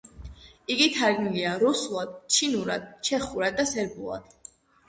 იგი თარგმნილია რუსულად, ჩინურად, ჩეხურად და სერბულად.